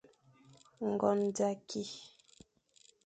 Ngon za ki,